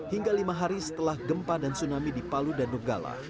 hingga lima hari setelah gempa dan tsunami di palu dan donggala